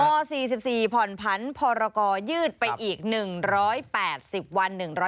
ม๔๔ผ่อนพันธุ์พรยยืดไปอีก๑๘๐วัน